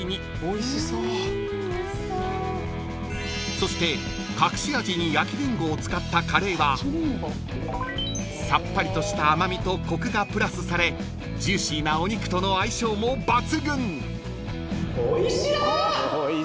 ［そして隠し味に焼きリンゴを使ったカレーはさっぱりとした甘味とコクがプラスされジューシーなお肉との相性も抜群］